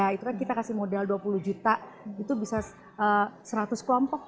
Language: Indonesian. itu kan kita kasih modal dua puluh juta itu bisa seratus kelompok